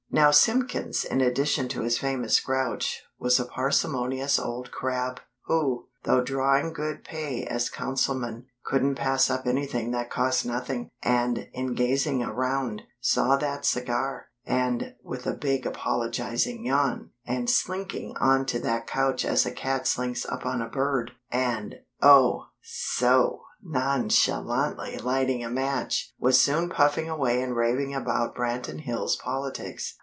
Now Simpkins, in addition to his famous grouch, was a parsimonious old crab; who, though drawing good pay as Councilman, couldn't pass up anything that cost nothing; and, in gazing around, saw that cigar; and, with a big apologizing yawn, and slinking onto that couch as a cat slinks up on a bird, and, oh, so nonchalantly lighting a match, was soon puffing away and raving about Branton Hills politics.